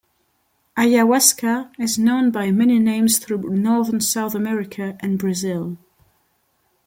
Ayahuasca is known by many names throughout Northern South America and Brazil.